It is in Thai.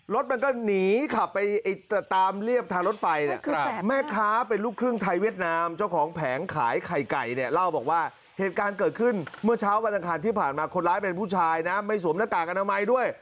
รถมันก็หนีขับไปตามเรียบทางรถไฟเนี่ยแม่ค้าเป็นลูกครึ่งไทยเวียดนามเจ้าของแผงขายไข่ไก่เนี่ยเล่าบอกว่าเหตุการณ์เกิดขึ้นเมื่อเช้าวันอังคารที่ผ่านมาคนร้ายเป็นผู้ชายนะไม่สวมหน้ากากอนามัยด้วย